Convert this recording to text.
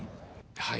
はい。